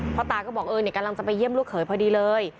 ตาก็บอกเออกำลังจะไปเยี่ยมลูกเขยพอดีเลย